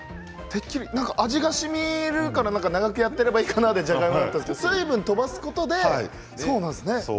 味が染みるから長くやってればいいかなってじゃがいもは、やってますけど水分を飛ばすことでそうなんですね。